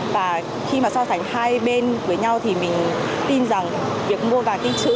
và khi mà so sánh hai bên với nhau thì mình tin rằng việc mua vàng tin trữ